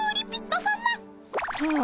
はあ。